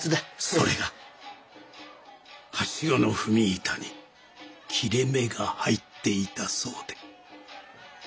それがハシゴの踏み板に切れ目が入っていたそうで。